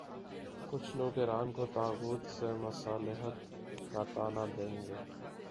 کچھ لوگ ایران کو طاغوت سے مصالحت کا طعنہ دیں گے۔